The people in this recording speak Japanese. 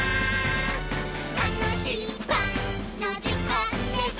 「たのしいパンのじかんです！」